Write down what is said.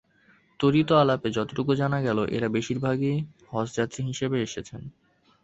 ত্বরিত আলাপে যতটুকু জানা গেল, এঁরা বেশির ভাগই হজযাত্রী হিসেবে এসেছেন।